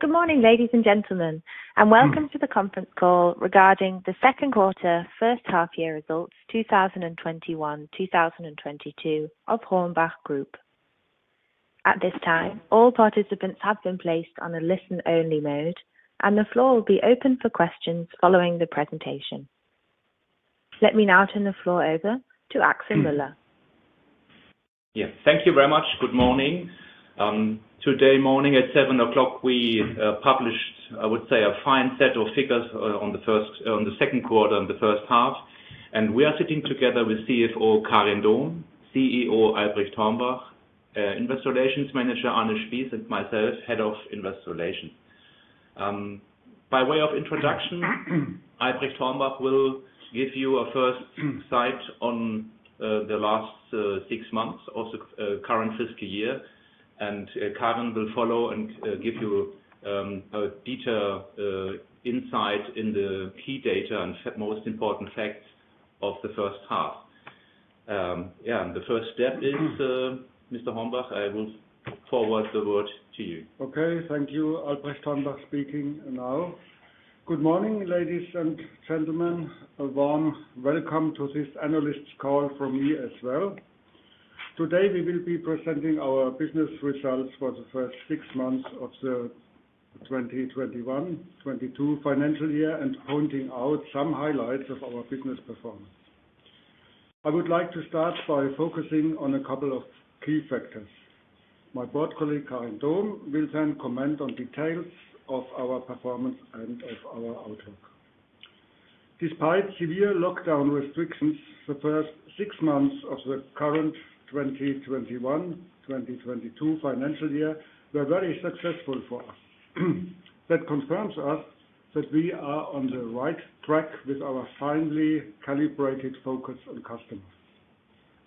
Good morning, ladies and gentlemen, and welcome to the conference call regarding the second quarter, first half-year results 2021/2022 of HORNBACH Group. At this time, all participants have been placed on a listen-only mode, and the floor will be open for questions following the presentation. Let me now turn the floor over to Axel Müller. Yes. Thank you very much. Good morning. Today, morning at 7:00, we published, I would say, a fine set of figures on the second quarter and the first half, and we are sitting together with CFO Karin Dohm, CEO Albrecht Hornbach, Investor Relations Manager Anne Spies, and myself, Head of Investor Relations. By way of introduction, Albrecht Hornbach will give you a first sight on the last six months of the current fiscal year, and Karin will follow and give you a detailed insight into the key data and most important facts of the first half. The first step is Mr. Hornbach. I will forward the word to you. Okay, thank you. Albrecht Hornbach speaking now. Good morning, ladies and gentlemen. A warm welcome to this analyst call from me as well. Today, we will be presenting our business results for the first six months of the 2021/2022 financial year and pointing out some highlights of our business performance. I would like to start by focusing on a couple of key factors. My board colleague, Karin Dohm, will then comment on details of our performance and of our outlook. Despite severe lockdown restrictions, the first six months of the current 2021/2022 financial year were very successful for us. That confirms to us that we are on the right track with our finely calibrated focus on customers.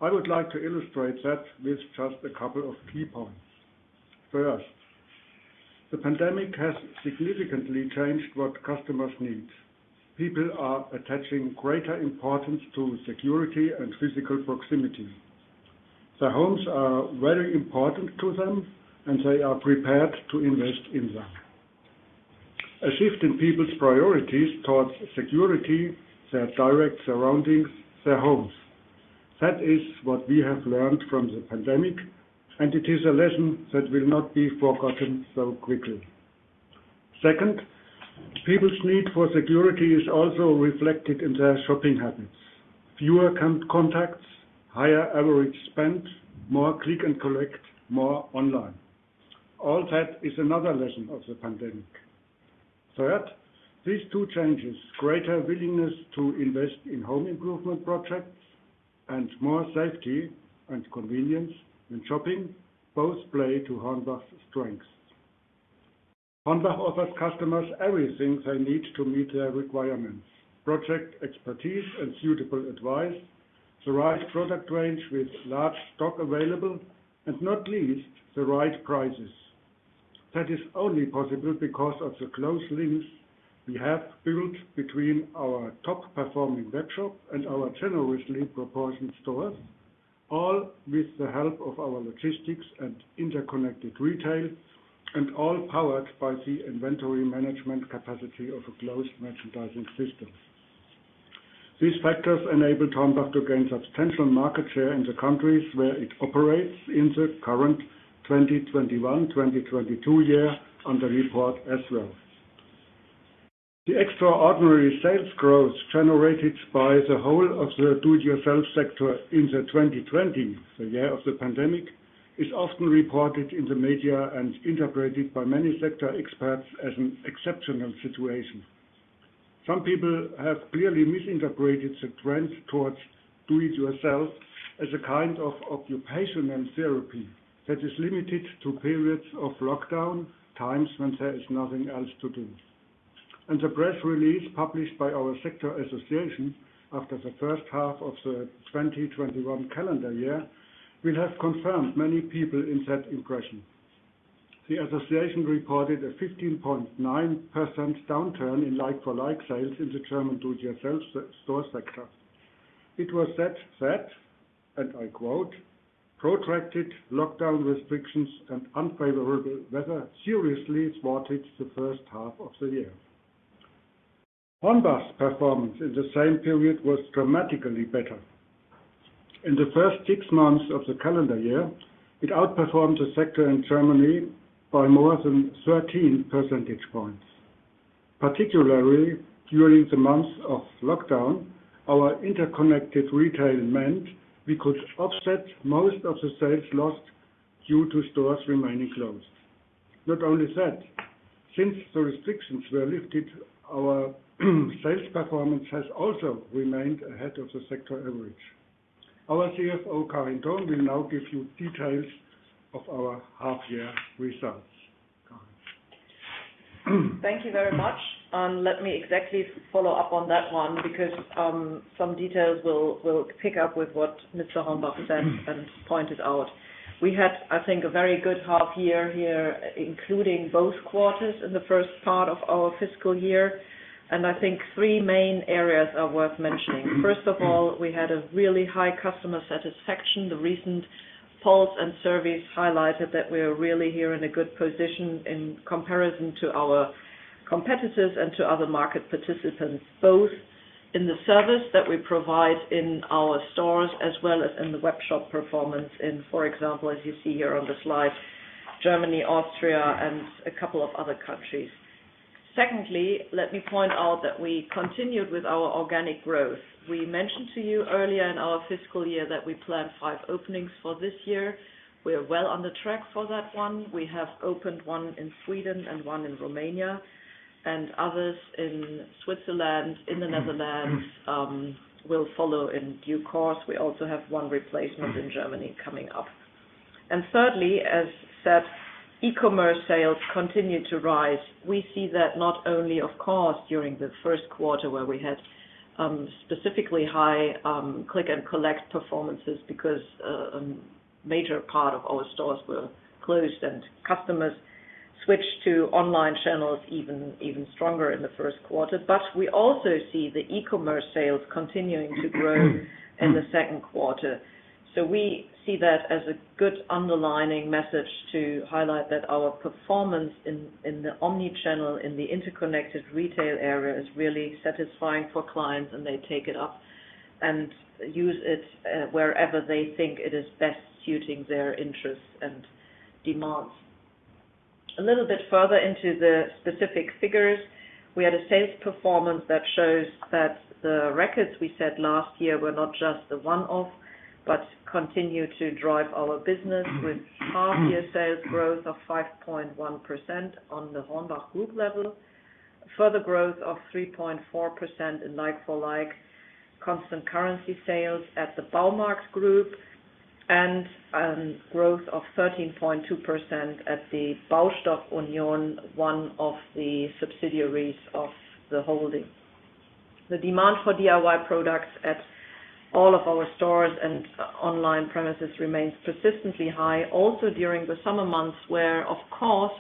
I would like to illustrate that with just a couple of key points. First, the pandemic has significantly changed what customers need. People are attaching greater importance to security and physical proximity. Their homes are very important to them, and they are prepared to invest in them. A shift in people's priorities towards security, their direct surroundings, their homes. That is what we have learned from the pandemic, and it is a lesson that will not be forgotten so quickly. Second, people's need for security is also reflected in their shopping habits. Fewer contacts, higher average spend, more Click & Collect, more online. All that is another lesson of the pandemic. Third, these two changes, greater willingness to invest in home improvement projects and more safety and convenience when shopping, both play to HORNBACH's strengths. HORNBACH offers customers everything they need to meet their requirements, project expertise, and suitable advice, the right product range with large stock available, and not least, the right prices. That is only possible because of the close links we have built between our top-performing workshop and our generously proportioned stores, all with the help of our logistics and Interconnected Retail, and all powered by the inventory management capacity of a closed merchandising system. These factors enabled HORNBACH to gain substantial market share in the countries where it operates in the current 2021/2022 year on the report as well. The extraordinary sales growth generated by the whole of the Do-It-Yourself sector in 2020, the year of the pandemic, is often reported in the media and interpreted by many sector experts as an exceptional situation. Some people have clearly misinterpreted the trend towards Do-It-Yourself as a kind of occupation and therapy that is limited to periods of lockdown, times when there is nothing else to do. The press release published by our sector association after the first half of the 2021 calendar year will have confirmed many people in that impression. The association reported a 15.9% downturn in like-for-like sales in the German Do-It-Yourself store sector. It was said that, and I quote, "Protracted lockdown restrictions and unfavorable weather seriously thwarted the first half of the year." HORNBACH's performance in the same period was dramatically better. In the first six months of the calendar year, it outperformed the sector in Germany by more than 13 percentage points. Particularly during the months of lockdown, our Interconnected Retail meant we could offset most of the sales lost due to stores remaining closed. Not only that, since the restrictions were lifted, our sales performance has also remained ahead of the sector average. Our CFO, Karin Dohm, will now give you details of our half-year results. Karin. Thank you very much. Let me exactly follow up on that one because some details will pick up with what Mr. Hornbach said and pointed out. We had, I think, a very good half year here, including both quarters in the first part of our fiscal year. I think three main areas are worth mentioning. First of all, we had a really high customer satisfaction. The recent polls and surveys highlighted that we are really here in a good position in comparison to our competitors and to other market participants, both in the service that we provide in our stores as well as in the web shop performance in, for example, as you see here on the slide, Germany, Austria and a couple of other countries. Secondly, let me point out that we continued with our organic growth. We mentioned to you earlier in our fiscal year that we planned five openings for this year. We are well on the track for that one. We have opened one in Sweden and one in Romania and others in Switzerland, in the Netherlands will follow in due course. We also have one replacement in Germany coming up. Thirdly, as said, e-commerce sales continued to rise. We see that not only, of course, during the first quarter where we had specifically high Click & Collect performances because a major part of our stores were closed and customers switched to online channels even stronger in the first quarter. We also see the e-commerce sales continuing to grow in the second quarter. We see that as a good underlining message to highlight that our performance in the omni-channel, in the Interconnected Retail area is really satisfying for clients and they take it up and use it wherever they think it is best suiting their interests and demands. A little bit further into the specific figures, we had a sales performance that shows that the records we set last year were not just a one-off, but continue to drive our business with half-year sales growth of 5.1% on the HORNBACH Group level. Further growth of 3.4% in like-for-like constant currency sales at the Baumarkt Group and growth of 13.2% at the Baustoff Union, one of the subsidiaries of the holding. The demand for DIY products at all of our stores and online premises remains persistently high. During the summer months, where of course,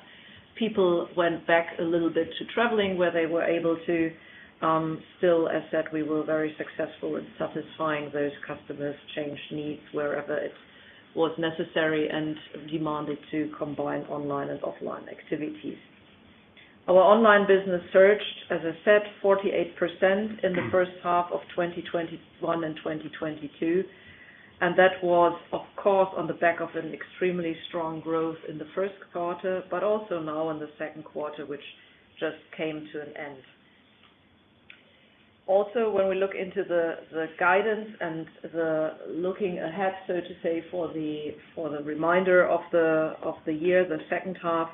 people went back a little bit to traveling where they were able to. Still, as said, we were very successful in satisfying those customers' changed needs wherever it was necessary and demanded to combine online and offline activities. Our online business surged, as I said, 48% in the first half of 2021 and 2022, and that was, of course, on the back of an extremely strong growth in the first quarter, but also now in the second quarter, which just came to an end. When we look into the guidance and the looking ahead, so to say, for the remainder of the year, the second half,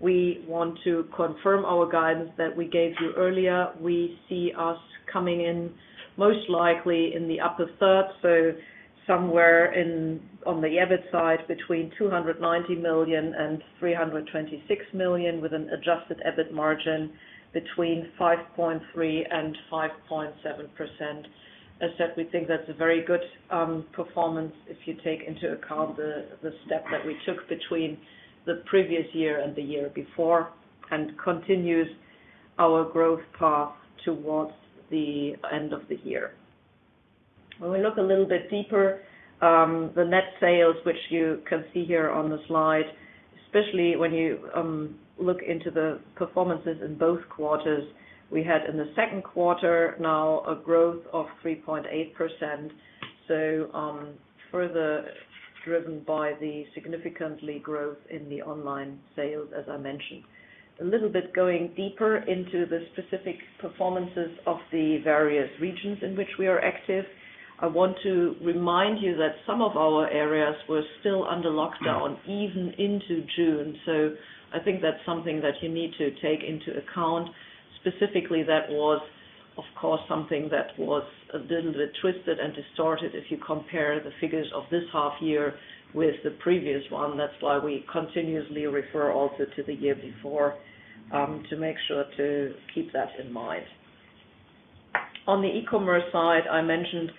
we want to confirm our guidance that we gave you earlier. We see us coming in most likely in the upper third. Somewhere on the EBIT side between 290 million and 326 million with an adjusted EBIT margin between 5.3% and 5.7%. As said, we think that's a very good performance if you take into account the step that we took between the previous year and the year before and continues our growth path towards the end of the year. When we look a little bit deeper, the net sales, which you can see here on the slide, especially when you look into the performances in both quarters, we had in the second quarter now a growth of 3.8%. Further driven by the significantly growth in the online sales as I mentioned. A little bit going deeper into the specific performances of the various regions in which we are active, I want to remind you that some of our areas were still under lockdown even into June. I think that's something that you need to take into account. Specifically, that was, of course, something that was a little bit twisted and distorted if you compare the figures of this half year with the previous one. That's why we continuously refer also to the year before, to make sure to keep that in mind. On the e-commerce side, I mentioned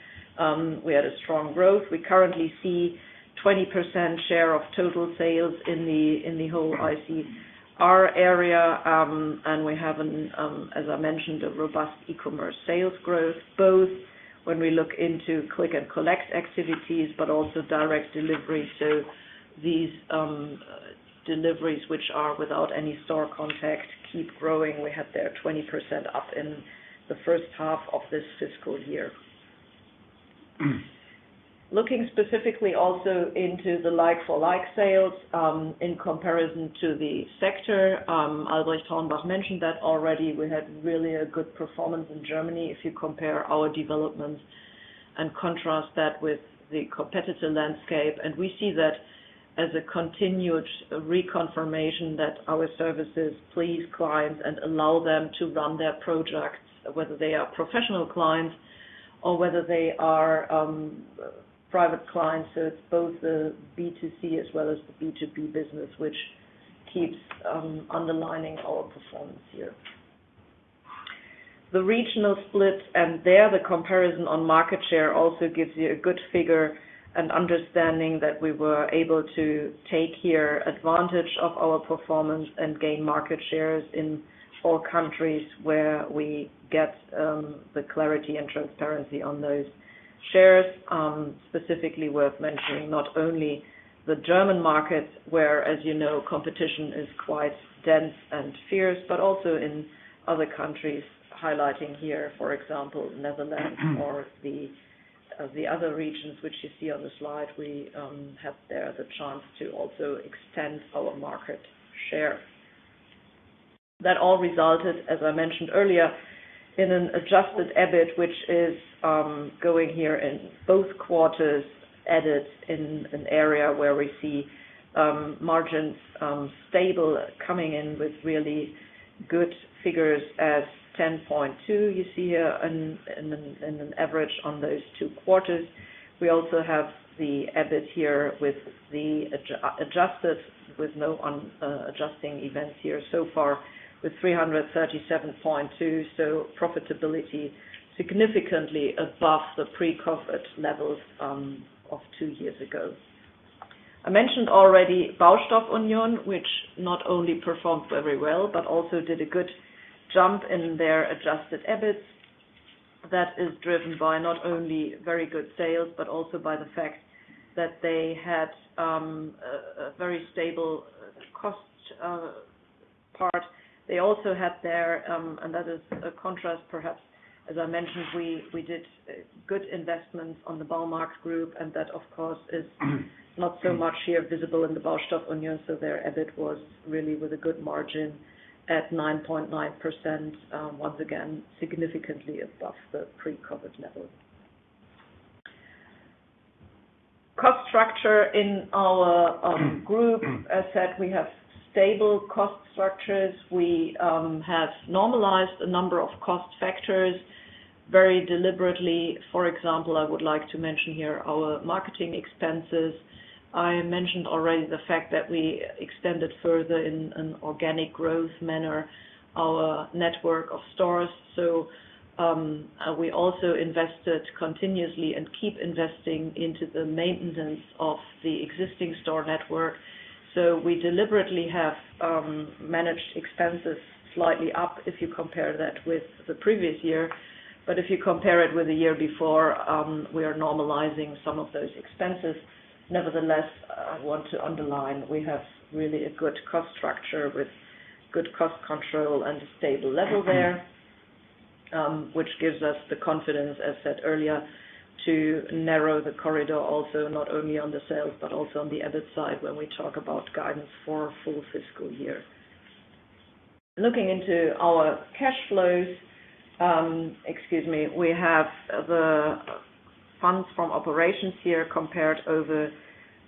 we had a strong growth. We currently see 20% share of total sales in the whole ICR area. We have, as I mentioned, a robust e-commerce sales growth, both when we look into Click & Collect activities, but also direct delivery. These deliveries, which are without any store contact, keep growing. We had there 20% up in the first half of this fiscal year. Looking specifically also into the like-for-like sales, in comparison to the sector, Albrecht Hornbach mentioned that already we had really a good performance in Germany if you compare our developments and contrast that with the competitor landscape. We see that as a continued reconfirmation that our services please clients and allow them to run their projects, whether they are professional clients or whether they are private clients. It's both the B2C as well as the B2B business, which keeps underlining our performance here. The regional splits and there the comparison on market share also gives you a good figure and understanding that we were able to take here advantage of our performance and gain market shares in all countries where we get the clarity and transparency on those shares. Specifically worth mentioning, not only the German market, where, as you know, competition is quite dense and fierce, but also in other countries, highlighting here, for example, Netherlands or the other regions which you see on the slide, we have there the chance to also extend our market share. That all resulted, as I mentioned earlier, in an adjusted EBIT, which is going here in both quarters, EBIT in an area where we see margins stable, coming in with really good figures as 10.2 you see here in an average on those two quarters. We also have the EBIT here with the adjusted, with no unadjusting events here so far, with 337.2, so profitability significantly above the pre-COVID levels of two years ago. I mentioned already Baustoff Union, which not only performed very well, but also did a good jump in their adjusted EBIT. That is driven by not only very good sales, but also by the fact that they had a very stable cost part. They also had there, and that is a contrast, perhaps, as I mentioned, we did good investments on the Baumarkt Group, and that, of course, is not so much here visible in the Baustoff Union. Their EBIT was really with a good margin at 9.9%, once again, significantly above the pre-COVID level. Cost structure in our group. As said, we have stable cost structures. We have normalized a number of cost factors very deliberately. For example, I would like to mention here our marketing expenses. I mentioned already the fact that we extended further in an organic growth manner our network of stores. We also invested continuously and keep investing into the maintenance of the existing store network. We deliberately have managed expenses slightly up if you compare that with the previous year. If you compare it with the year before, we are normalizing some of those expenses. Nevertheless, I want to underline, we have really a good cost structure with good cost control and a stable level there, which gives us the confidence, as said earlier, to narrow the corridor also not only on the sales, but also on the EBIT side when we talk about guidance for full fiscal year. Looking into our cash flows, we have the funds from operations here compared over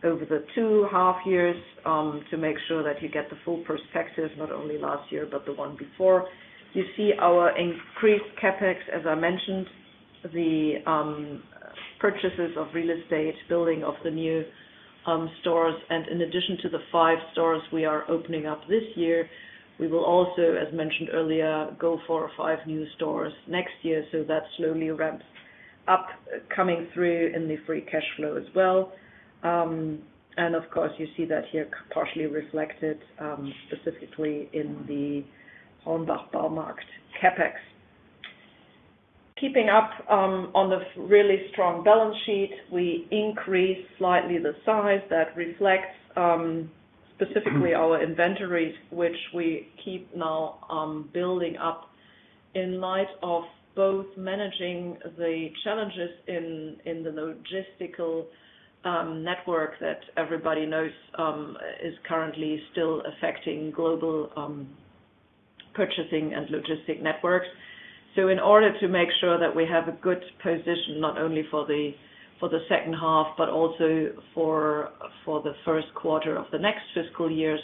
the two half years to make sure that you get the full perspective, not only last year, but the one before. You see our increased CapEx, as I mentioned, the purchases of real estate, building of the new stores, and in addition to the five stores we are opening up this year, we will also, as mentioned earlier, go for five new stores next year, so that slowly ramps up, coming through in the free cash flow as well. Of course, you see that here partially reflected specifically in the HORNBACH Baumarkt CapEx. Keeping up on the really strong balance sheet, we increased slightly the size that reflects specifically our inventories, which we keep now building up in light of both managing the challenges in the logistical network that everybody knows is currently still affecting global purchasing and logistic networks. In order to make sure that we have a good position, not only for the second half, but also for the first quarter of the next fiscal years,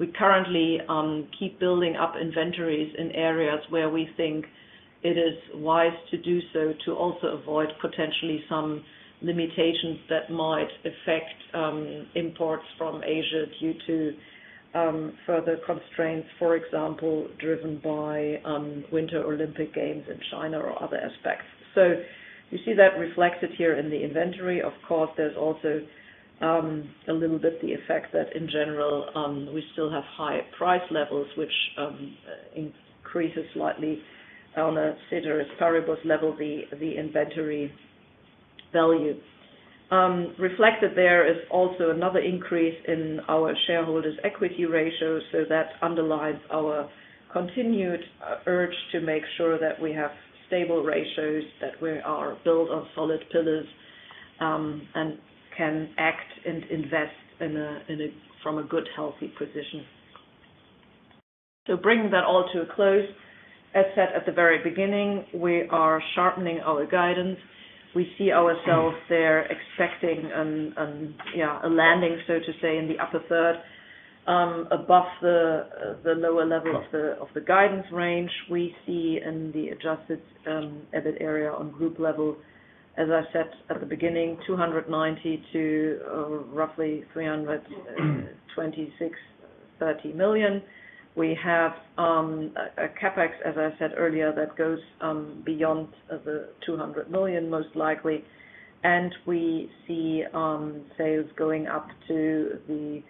we currently keep building up inventories in areas where we think it is wise to do so to also avoid potentially some limitations that might affect imports from Asia due to further constraints, for example, driven by Winter Olympic Games in China or other aspects. You see that reflected here in the inventory. Of course, there's also a little bit the effect that in general, we still have higher price levels, which increases slightly on a ceteris paribus level the inventory value. Reflected there is also another increase in our shareholders' equity ratio, so that underlines our continued urge to make sure that we have stable ratios, that we are built on solid pillars, and can act and invest from a good, healthy position. Bringing that all to a close, as said at the very beginning, we are sharpening our guidance. We see ourselves there expecting a landing, so to say, in the upper third, above the lower level of the guidance range. We see in the adjusted EBIT area on group level, as I said at the beginning, 290 million to roughly 32,630 million. We have a CapEx, as I said earlier, that goes beyond the 200 million, most likely. We see sales going up to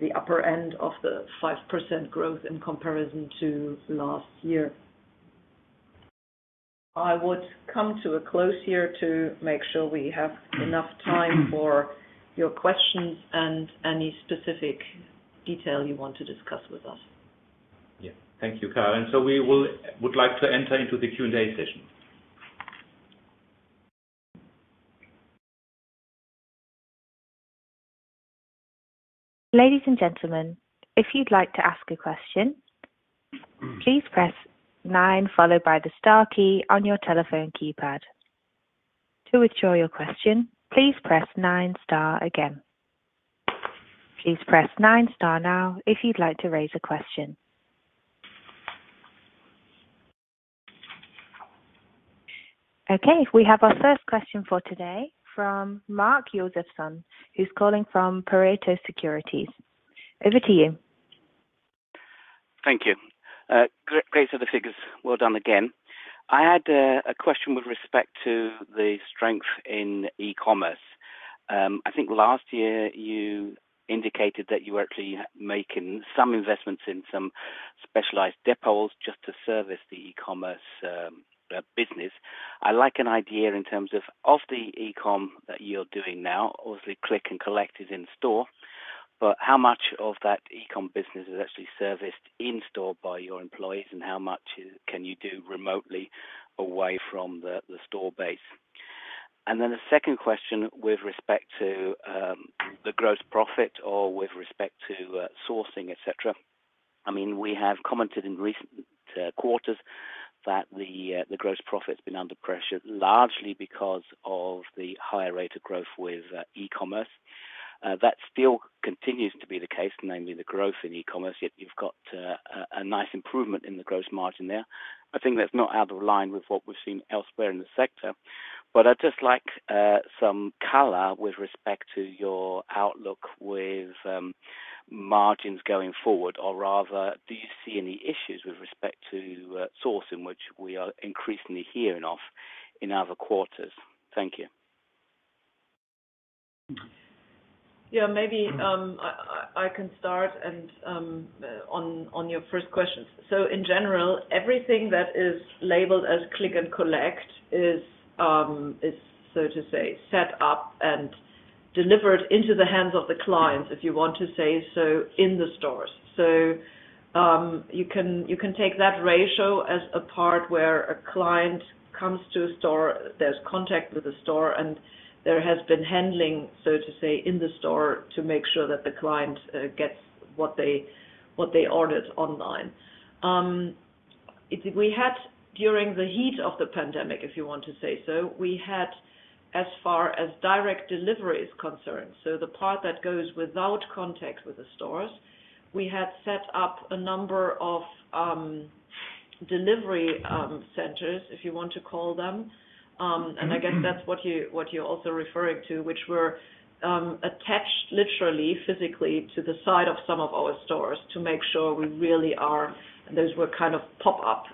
the upper end of the 5% growth in comparison to last year. I would come to a close here to make sure we have enough time for your questions and any specific detail you want to discuss with us. Yeah. Thank you, Karin. We would like to enter into the Q&A session. Ladies and gentlemen, if you'd like to ask a question, please press nine, followed by the star key on your telephone keypad. To withdraw your question, please press nine star again. Please press nine star now if you'd like to raise a question. Okay. We have our first question for today from Mark Josefson, who's calling from Pareto Securities. Over to you. Thank you. Great set of figures. Well done again. I had a question with respect to the strength in e-commerce. I think last year you indicated that you were actually making some investments in some specialized depots just to service the e-commerce business. I like an idea in terms of the e-com that you're doing now, obviously Click & Collect is in store, but how much of that e-com business is actually serviced in store by your employees, and how much can you do remotely away from the store base? A second question with respect to the gross profit or with respect to sourcing, etc. We have commented in recent quarters that the gross profit's been under pressure, largely because of the higher rate of growth with e-commerce. That still continues to be the case, namely the growth in e-commerce, yet you've got a nice improvement in the gross margin there. I think that's not out of line with what we've seen elsewhere in the sector. I'd just like some color with respect to your outlook with margins going forward, or rather, do you see any issues with respect to sourcing, which we are increasingly hearing of in other quarters? Thank you. Yeah, maybe I can start and on your first question. In general, everything that is labeled as Click & Collect is, so to say, set up and delivered into the hands of the clients, if you want to say so, in the stores. You can take that ratio as a part where a client comes to a store, there's contact with the store, and there has been handling, so to say, in the store to make sure that the client gets what they ordered online. We had, during the heat of the pandemic, if you want to say so, we had, as far as direct delivery is concerned, so the part that goes without contact with the stores, we had set up a number of delivery centers, if you want to call them. I guess that's what you're also referring to, which were attached literally, physically to the side of some of our stores. To make sure we really are, those were kind of pop-up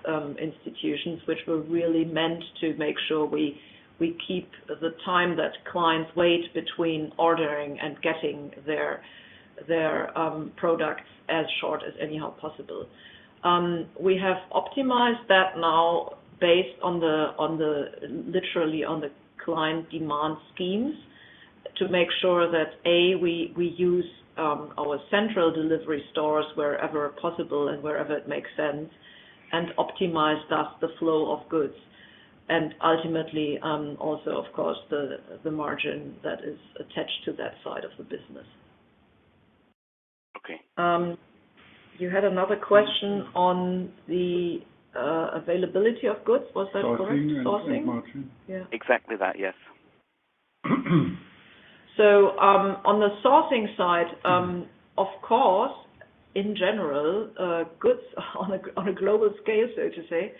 institutions, which were really meant to make sure we keep the time that clients wait between ordering and getting their products as short as anyhow possible. We have optimized that now based literally on the client demand schemes to make sure that, A, we use our central delivery stores wherever possible and wherever it makes sense, and optimize, thus, the flow of goods and ultimately, also, of course, the margin that is attached to that side of the business. Okay. You had another question on the availability of goods. Was that correct? Sourcing and gross margin. Sourcing? Yeah. Exactly that, yes. On the sourcing side, of course, in general, goods on a global scale, so to say,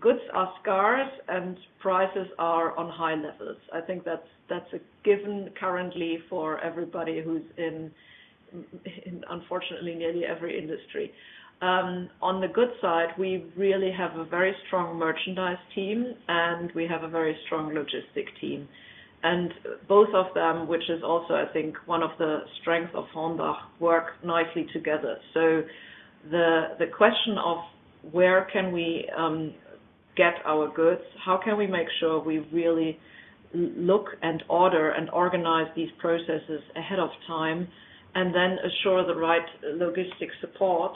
goods are scarce and prices are on high levels. I think that's a given currently for everybody who's in, unfortunately, nearly every industry. On the good side, we really have a very strong merchandise team, and we have a very strong logistics team. Both of them, which is also, I think, one of the strengths of HORNBACH, work nicely together. The question of where can we get our goods? How can we make sure we really look and order and organize these processes ahead of time and then assure the right logistics support?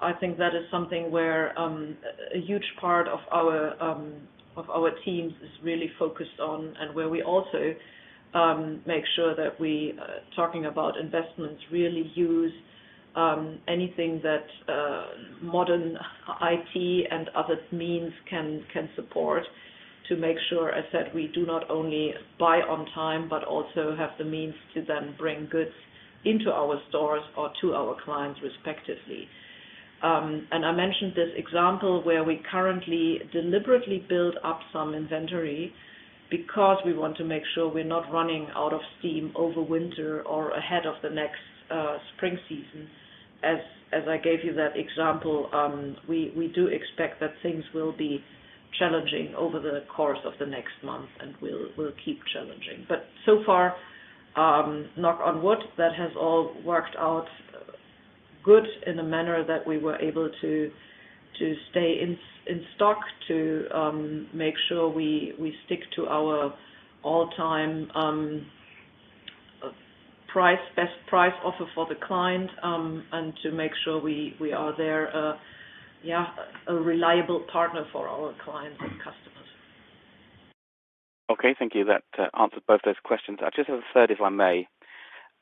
I think that is something where a huge part of our teams is really focused on and where we also make sure that we, talking about investments, really use anything that modern IT and other means can support to make sure, as said, we do not only buy on time, but also have the means to then bring goods into our stores or to our clients respectively. I mentioned this example where we currently deliberately build up some inventory because we want to make sure we're not running out of steam over winter or ahead of the next spring season. As I gave you that example, we do expect that things will be challenging over the course of the next month and will keep challenging. So far, knock on wood, that has all worked out good in a manner that we were able to stay in stock to make sure we stick to our all-time best price offer for the client, and to make sure we are there, yeah, a reliable partner for our clients and customers. Okay. Thank you. That answered both those questions. I just have a third, if I may.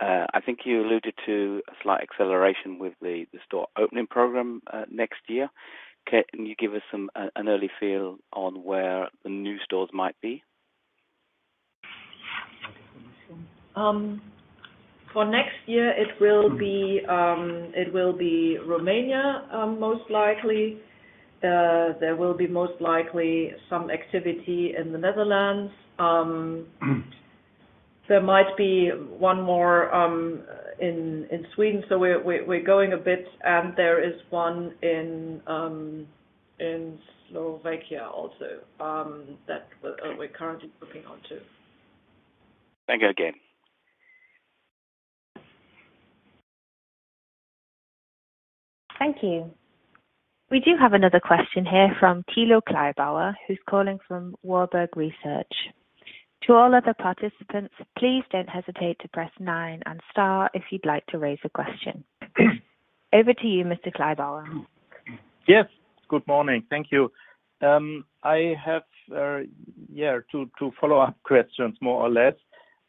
I think you alluded to a slight acceleration with the store opening program next year. Can you give us an early feel on where the new stores might be? For next year, it will be Romania, most likely. There will be, most likely, some activity in the Netherlands. There might be one more in Sweden. We're going a bit, and there is one in Slovakia also, that we're currently working on, too. Thank you again. Thank you. We do have another question here from Thilo Kleibauer, who's calling from Warburg Research. To all other participants, please don't hesitate to press nine and star if you'd like to raise a question. Over to you, Mr. Kleibauer. Yes. Good morning. Thank you. I have two follow-up questions, more or less.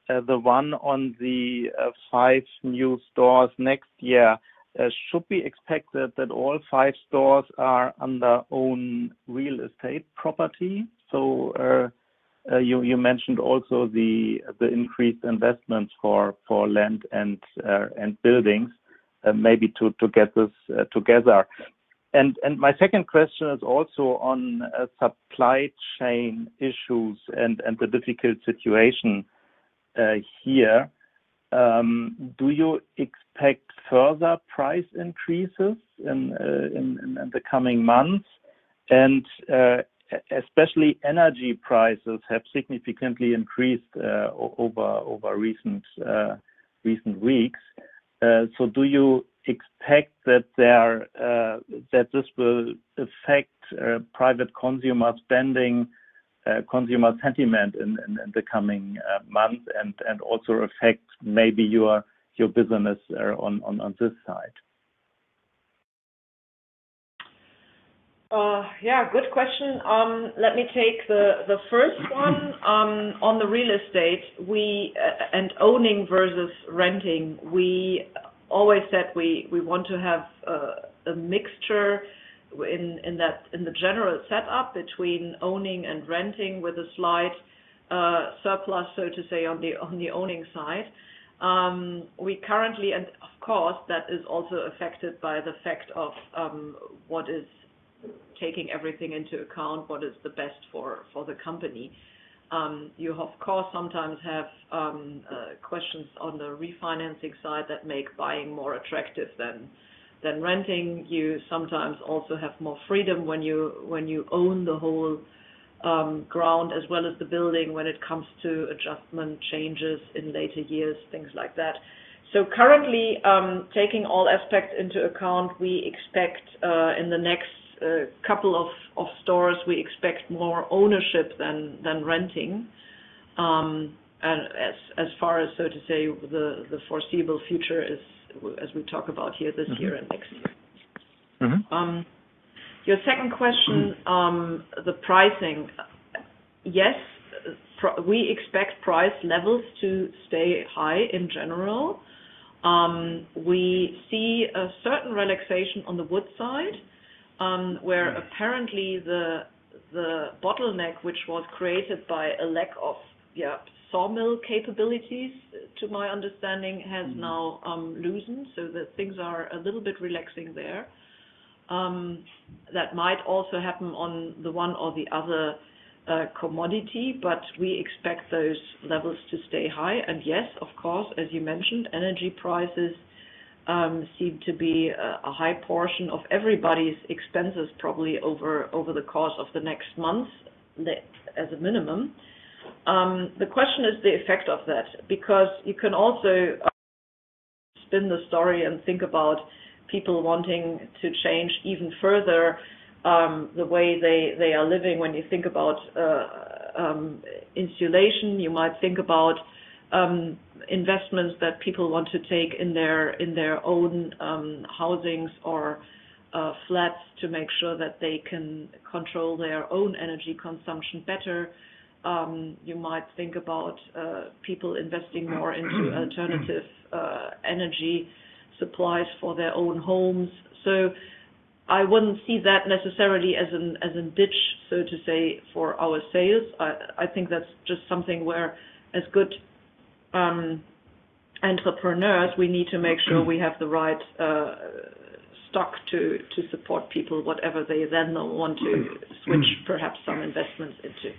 The one on the five new stores next year. Should we expect that all five stores are under own real estate property? You mentioned also the increased investments for land and buildings, maybe to get this together. My second question is also on supply chain issues and the difficult situation here. Do you expect further price increases in the coming months? Especially energy prices have significantly increased over recent weeks. Do you expect that this will affect private consumer spending, consumer sentiment in the coming months and also affect maybe your business on this side? Yeah. Good question. Let me take the first one. On the real estate, and owning versus renting, we always said we want to have a mixture in the general setup between owning and renting with a slight surplus, so to say, on the owning side. We currently, of course, that is also affected by the fact of what is taking everything into account, what is the best for the company. You, of course, sometimes have questions on the refinancing side that make buying more attractive than renting. You sometimes also have more freedom when you own the whole ground as well as the building when it comes to adjustment changes in later years, things like that. Currently, taking all aspects into account, we expect in the next couple of stores, we expect more ownership than renting, as far as, so to say, the foreseeable future as we talk about here this year and next year. Your second question, the pricing. Yes, we expect price levels to stay high in general. We see a certain relaxation on the wood side, where apparently the bottleneck, which was created by a lack of sawmill capabilities, to my understanding, has now loosened so that things are a little bit relaxing there. That might also happen on the one or the other commodity, but we expect those levels to stay high. Yes, of course, as you mentioned, energy prices seem to be a high portion of everybody's expenses probably over the course of the next month, as a minimum. The question is the effect of that, because you can also spin the story and think about people wanting to change even further the way they are living. When you think about insulation, you might think about investments that people want to take in their own housings or flats to make sure that they can control their own energy consumption better. You might think about people investing more into alternative energy supplies for their own homes. I wouldn't see that necessarily as a ditch, so to say, for our sales. I think that's just something where as good entrepreneurs, we need to make sure we have the right stock to support people, whatever they then want to switch perhaps some investments into.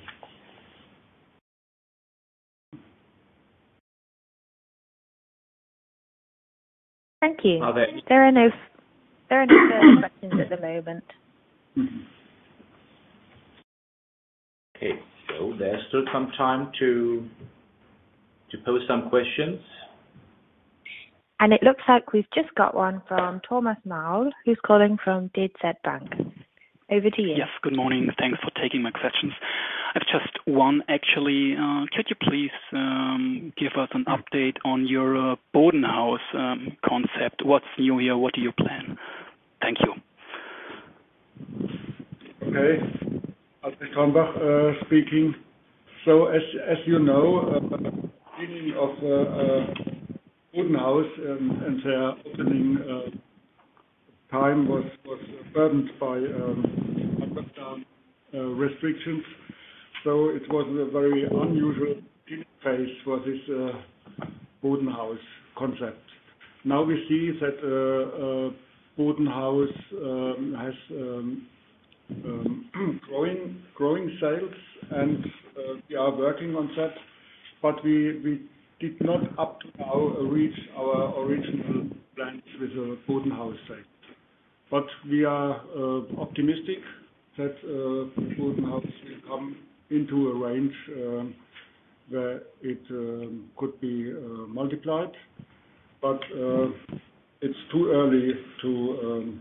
Thank you. There are no further questions at the moment. Okay. There's still some time to pose some questions. It looks like we've just got one from Thomas Maul, who's calling from DZ Bank. Over to you. Yes, good morning. Thanks for taking my questions. I have just one, actually. Could you please give us an update on your BODENHAUS concept? What's new here? What do you plan? Thank you. Okay. Albrecht Hornbach speaking. As you know, beginning of BODENHAUS and their opening time was burdened by lockdown restrictions. It was a very unusual interface for this BODENHAUS concept. Now we see that BODENHAUS has growing sales, and we are working on that, but we did not up to now reach our original plans with the BODENHAUS site. We are optimistic that BODENHAUS will come into a range where it could be multiplied. It's too early to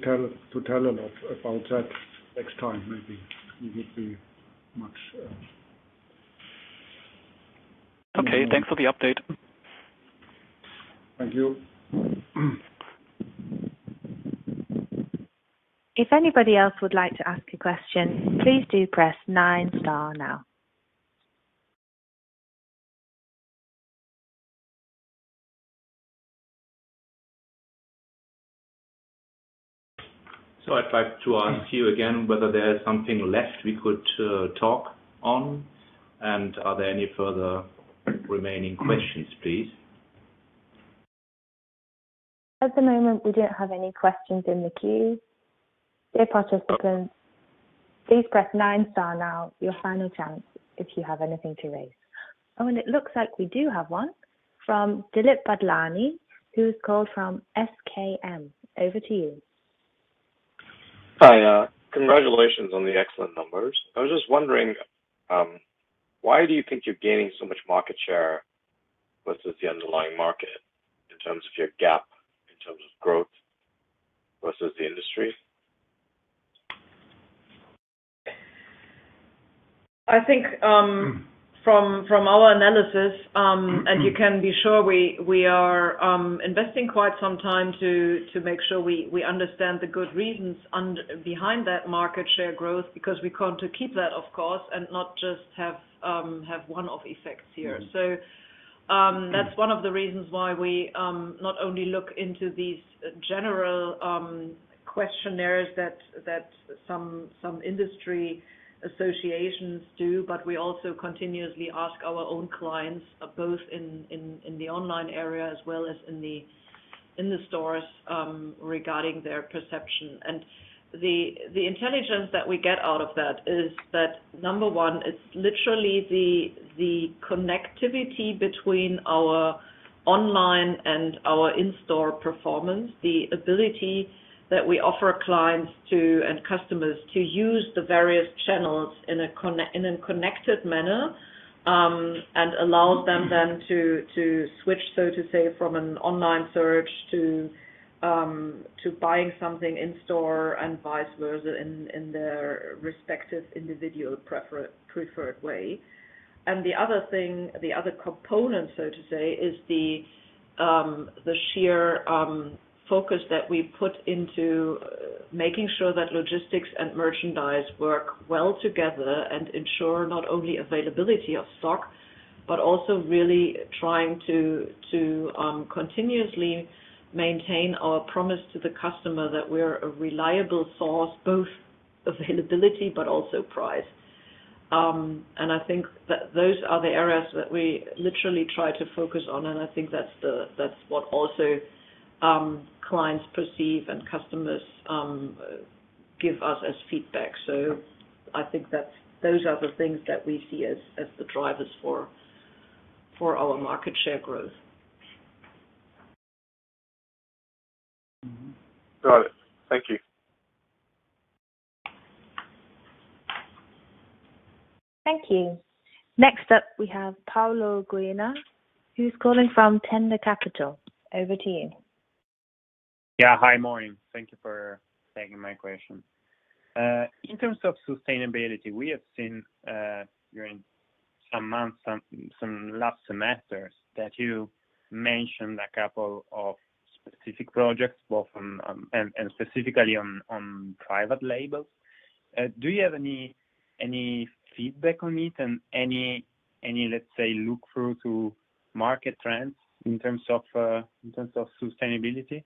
tell a lot about that. Next time maybe we would be much. Okay. Thanks for the update. Thank you. If anybody else would like to ask a question, please do press nine star now. I'd like to ask you again whether there is something left we could talk on, and are there any further remaining questions, please? At the moment, we don't have any questions in the queue. Dear participants, please press nine star now, your final chance if you have anything to raise. It looks like we do have one from Dilip Badlani, who's called from SKM. Over to you. Hi. Congratulations on the excellent numbers. I was just wondering, why do you think you're gaining so much market share versus the underlying market in terms of your gap, in terms of growth versus the industry? I think from our analysis, and you can be sure we are investing quite some time to make sure we understand the good reasons behind that market share growth because we want to keep that, of course, and not just have one-off effects here. That's one of the reasons why we not only look into these general questionnaires that some industry associations do, but we also continuously ask our own clients, both in the online area as well as in the stores, regarding their perception. The intelligence that we get out of that is that number one, it's literally the connectivity between our online and our in-store performance, the ability that we offer clients and customers to use the various channels in a connected manner, and allows them then to switch, so to say, from an online search to buying something in store and vice versa in their respective individual preferred way. The other thing, the other component, so to say, is the sheer focus that we put into making sure that logistics and merchandise work well together and ensure not only availability of stock, but also really trying to continuously maintain our promise to the customer that we're a reliable source, both availability but also price. I think that those are the areas that we literally try to focus on, and I think that's what also clients perceive and customers give us as feedback. I think that those are the things that we see as the drivers for our market share growth. Got it. Thank you. Thank you. Next up, we have Paolo Geuna, who's calling from Tendercapital. Over to you. Yeah. Hi, morning. Thank you for taking my question. In terms of sustainability, we have seen during some months, some last semesters that you mentioned a couple of specific projects and specifically on private labels. Do you have any feedback on it and any, let's say, look through to market trends in terms of sustainability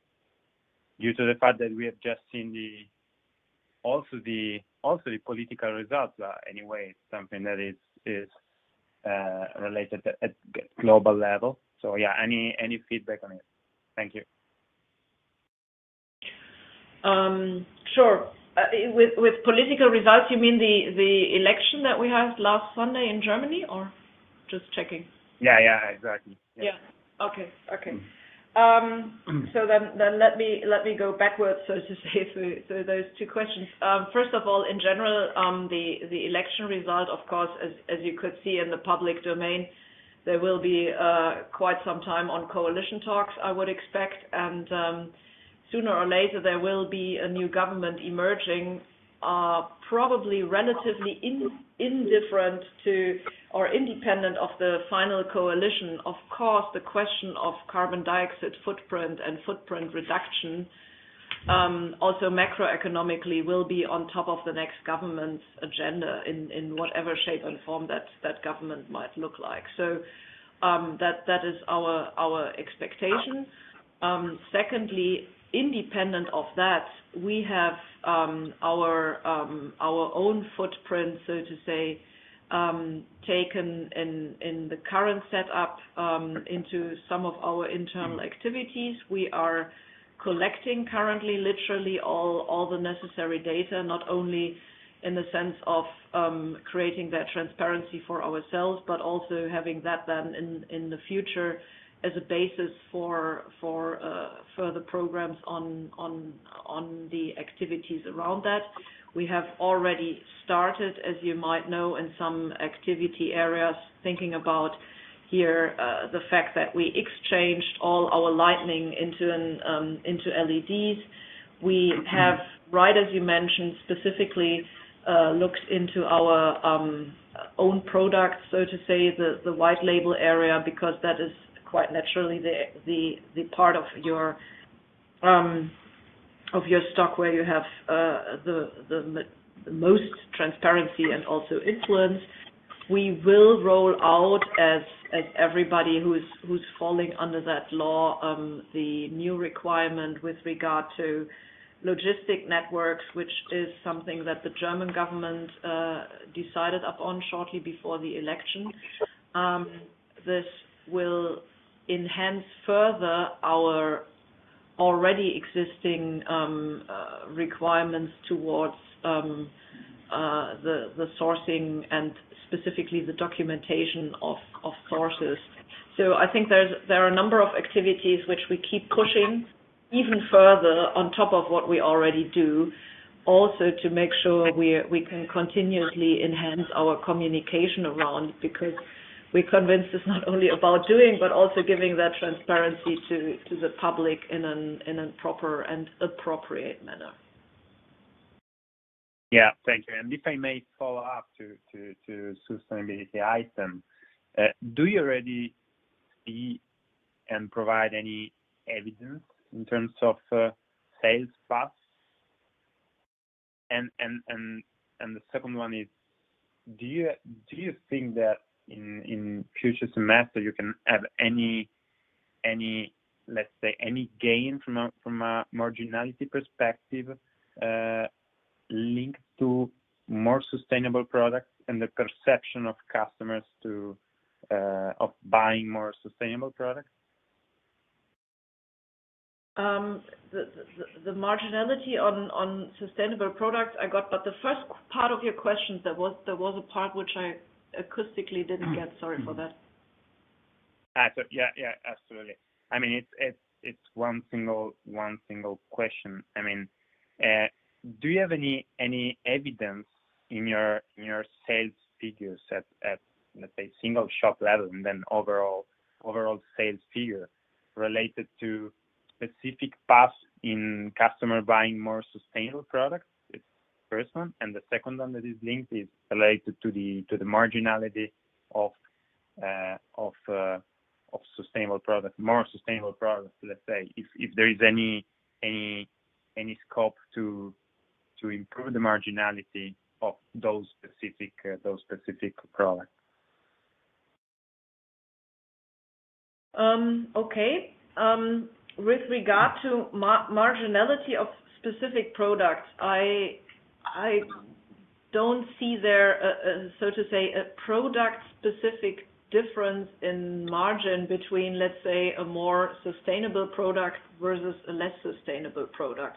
due to the fact that we have just seen the also the political results are anyway something that is related at global level. Yeah, any feedback on it? Thank you. Sure. With political results, you mean the election that we had last Sunday in Germany, or? Just checking. Yeah, exactly. Yeah. Okay. Let me go backwards, so to say, through those two questions. First of all, in general, the election result, of course, as you could see in the public domain, there will be quite some time on coalition talks, I would expect, and sooner or later, there will be a new government emerging, probably relatively indifferent to or independent of the final coalition. Of course, the question of carbon dioxide footprint and footprint reduction, also macroeconomically will be on top of the next government's agenda in whatever shape and form that government might look like. That is our expectation. Secondly, independent of that, we have our own footprint, so to say, taken in the current setup, into some of our internal activities. We are collecting currently literally all the necessary data, not only in the sense of creating that transparency for ourselves, but also having that then in the future as a basis for further programs on the activities around that. We have already started, as you might know, in some activity areas, thinking about here the fact that we exchanged all our lighting into LEDs. We have, right as you mentioned, specifically looked into our own product, so to say, the white label area, because that is quite naturally the part of your stock where you have the most transparency and also influence. We will roll out as everybody who is falling under that law, the new requirement with regard to logistic networks, which is something that the German government decided upon shortly before the election. This will enhance further our already existing requirements towards the sourcing and specifically the documentation of sources. I think there are a number of activities which we keep pushing even further on top of what we already do. Also to make sure we can continuously enhance our communication around, because we're convinced it's not only about doing, but also giving that transparency to the public in a proper and appropriate manner. Yeah. Thank you. If I may follow up to sustainability item, do you already see and provide any evidence in terms of sales path? The second one is, do you think that in future semester, you can have, let's say, any gain from a marginality perspective, linked to more sustainable products and the perception of customers of buying more sustainable products? The marginality on sustainable products I got, but the first part of your question, there was a part which I acoustically didn't get. Sorry for that. Yeah. Absolutely. It's one single question. Do you have any evidence in your sales figures at, let's say, single shop level and then overall sales figure related to specific paths in customer buying more sustainable products? It's the first one. The second one that is linked is related to the marginality of sustainable products, more sustainable products, let's say, if there is any scope to improve the marginality of those specific products. Okay. With regard to marginality of specific products, I don't see there, so to say, a product-specific difference in margin between, let's say, a more sustainable product versus a less sustainable product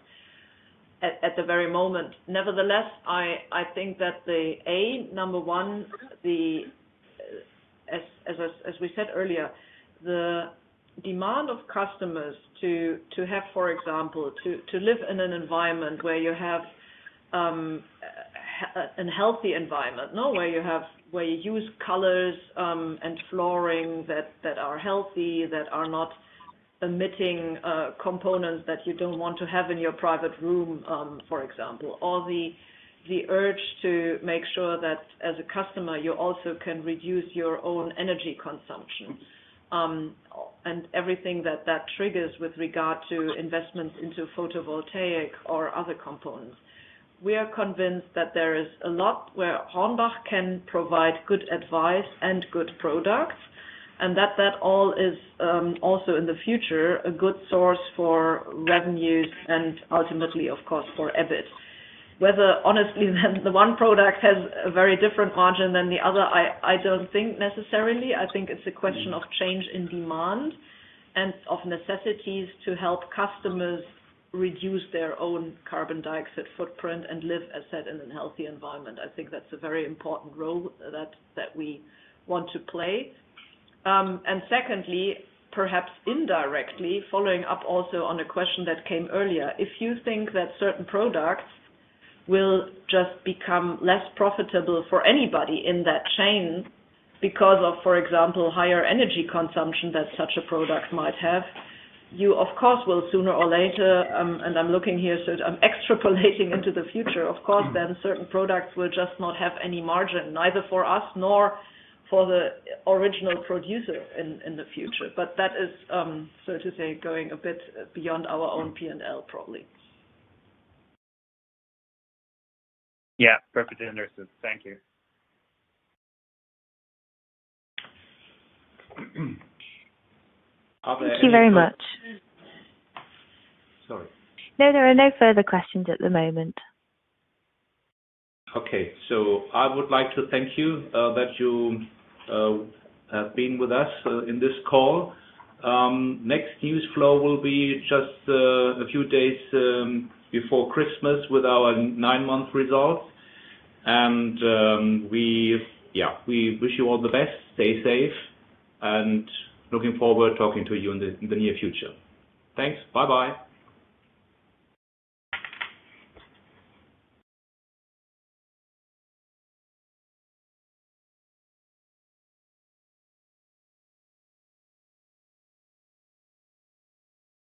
at the very moment. Nevertheless, I think that the number one, as we said earlier, the demand of customers to have, for example, to live in an environment where you have a healthy environment. Where you use colors and flooring that are healthy, that are not emitting components that you don't want to have in your private room, for example, or the urge to make sure that as a customer, you also can reduce your own energy consumption. Everything that that triggers with regard to investments into photovoltaic or other components. We are convinced that there is a lot where HORNBACH can provide good advice and good products. That all is also in the future, a good source for revenues and ultimately, of course, for EBIT. Whether honestly, the one product has a very different margin than the other, I don't think necessarily. I think it's a question of change in demand and of necessities to help customers reduce their own carbon dioxide footprint and live a certain and healthy environment. I think that's a very important role that we want to play. Secondly, perhaps indirectly, following up also on a question that came earlier, if you think that certain products will just become less profitable for anybody in that chain because of, for example, higher energy consumption that such a product might have, you of course will sooner or later, and I'm looking here, so I'm extrapolating into the future, of course, then certain products will just not have any margin, neither for us nor for the original producer in the future. That is, so to say, going a bit beyond our own P&L probably. Yeah. Perfect understanding. Thank you. Are there any- Thank you very much. Sorry. No, there are no further questions at the moment. Okay. I would like to thank you, that you have been with us in this call. Next news flow will be just a few days before Christmas with our nine-month results. We wish you all the best. Stay safe and looking forward talking to you in the near future. Thanks. Bye bye.